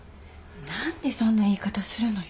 何でそんな言い方するのよ。